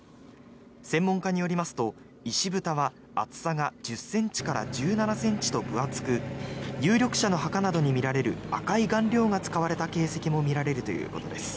専門家によりますと石ぶたは厚さが１０ｃｍから１７ｃｍと分厚く有力者の墓などにみられる赤い顔料が使われた形跡も見られるということです。